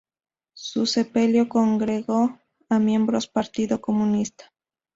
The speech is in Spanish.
Su sepelio congregó a miembros Partido Comunista.